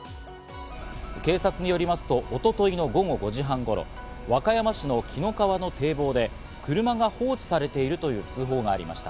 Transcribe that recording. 警察によりますと一昨日の午後５時半頃、和歌山市の紀の川の堤防で車が放置されているという通報がありました。